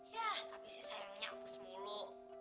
yah tapi sih sayangnya apes mulu